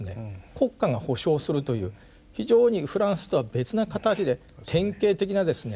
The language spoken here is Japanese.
国家が保障するという非常にフランスとは別な形で典型的なですね